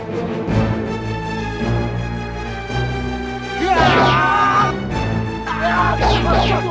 dan seluruh dunia